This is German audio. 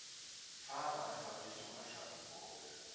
Fahre einfach Richtung Aschaffenburg